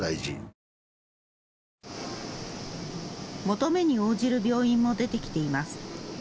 求めに応じる病院も出てきています。